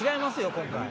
今回。